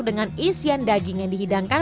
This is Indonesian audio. dengan isian daging yang dihidangkan